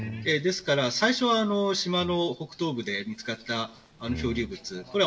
最初は島の北東部で見つかった漂流物。